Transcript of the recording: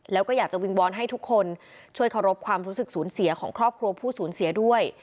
แล้วก็อยากจะวิงวอนให้ทุกคนช่วยเคารพความรู้สึกสูญเสียของครอบครัวผู้สูญเสียด้วย